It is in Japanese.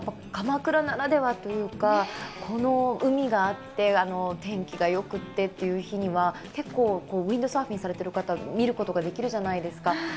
鎌倉ならではというかこの海があって天気がよくてという日には結構ウインドサーフィンしてる方見ることができるじゃないですか。